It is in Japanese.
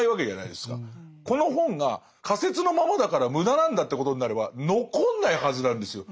この本が仮説のままだから無駄なんだってことになれば残んないはずなんですよ。